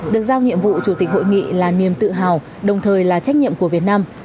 được giao nhiệm vụ chủ tịch hội nghị là niềm tự hào đồng thời là trách nhiệm của việt nam